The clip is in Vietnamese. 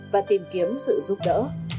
và tìm kiếm sự giúp đỡ